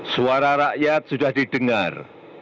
suara rakyat sudah didengar